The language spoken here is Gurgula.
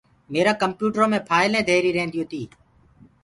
ميرآ ڪمپيوٽرو مي ڦآئلين ڌيري ريهنديو تي۔